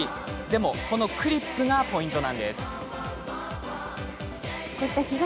でも、このクリップがポイント。